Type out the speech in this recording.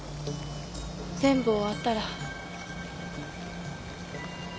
全部終わったら。